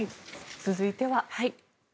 続いては。